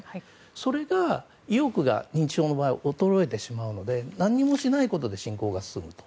それが、意欲が認知症の場合衰えてしまうので何もしないことで進行すると。